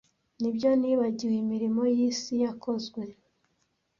Nibyo, nibagiwe imirimo yisi yakozwe,